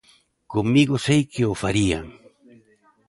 Comigo sei que o farían.